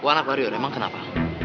buah anak warrior emang kenapa